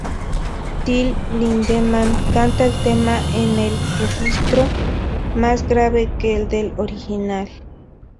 Till Lindemann canta el tema en un registro más grave que el del original.